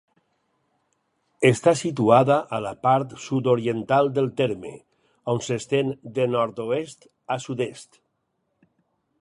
Està situada a la part sud-oriental del terme, on s'estén de nord-oest a sud-est.